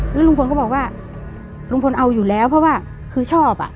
แล้วลุงพลก็บอกว่าลุงพลเอาอยู่แล้วเพราะว่าคือชอบอ่ะ